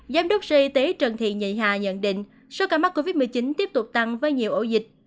giám đốc sở y tế trần thị nhị hà nhận định số ca mắc covid một mươi chín tiếp tục tăng với nhiều ổ dịch